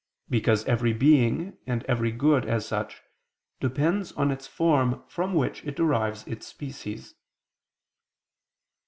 Because every being and every good as such depends on its form from which it derives its species.